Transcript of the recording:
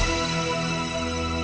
kenapa tidak bisa